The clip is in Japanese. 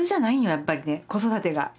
やっぱりね子育てが。